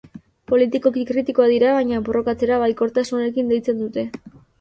Politikoki kritikoak dira baina borrokatzera baikortasunarekin deitzen dute.